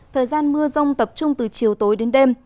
thời gian mưa rông tập trung từ chiều tối đến đêm